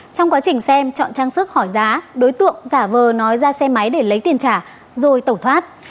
trong quá trình xem chọn trang sức khỏi giá đối tượng giả vờ nói ra xe máy để lấy tiền trả rồi tẩu thoát